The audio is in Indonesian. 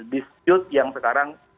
dispute yang sekarang